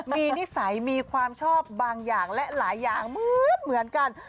มีนิสัยมีความชอบบางอย่างและหลายอย่างเหมือนกัน